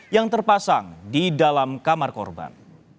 yang terpasang di dalam kamar korban